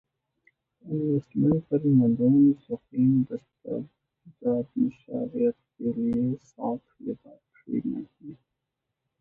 investment پر مدون ضخیم دستاویزات مشاورت کے لیے ساؤتھ لیبارٹری میں ہیں